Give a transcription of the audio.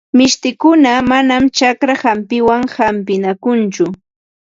Mishtikuna manam chakra hampiwan hampinakunchu.